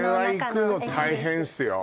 これは行くの大変っすよ